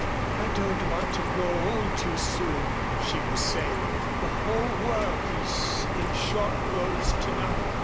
"I don't want to grow old too soon," she was saying. "The whole world is in short clothes to night.